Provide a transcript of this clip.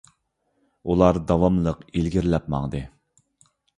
ئۇلار داۋاملىق ئىلگىرىلەپ ماڭدى.